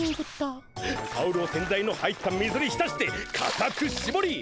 タオルを洗剤の入った水にひたしてかたくしぼり